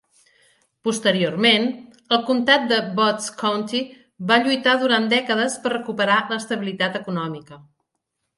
Posteriorment, el comtat de Butts County va lluitar durant dècades per recuperar l'estabilitat econòmica.